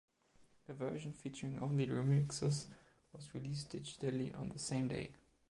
A version featuring only the remixes was released digitally on the same day.